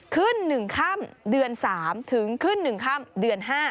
ขึ้น๑ค่ำเดือน๓ถึงขึ้น๑ค่ำเดือน๕